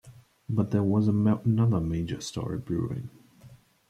But there was another major story brewing.